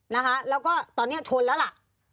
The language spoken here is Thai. นะคะแล้วก็ตอนนี้ชนแล้วล่ะ